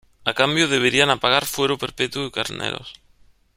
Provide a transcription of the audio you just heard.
A cambio deberían a pagar fuero perpetuo y carneros.